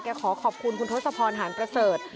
ขอขอบคุณคุณทศพรหารประเสริฐ